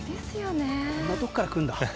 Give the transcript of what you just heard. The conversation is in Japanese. こんなところから来るんだ。